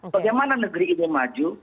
bagaimana negeri ini maju